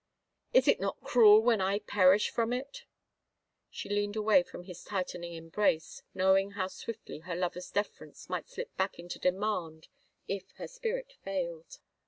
'* Is it not cruel when I perish from it ?" She leaned away from his tightening embrace, knowing how swiftly her lover's deference might slip back into demand if her spirit failed.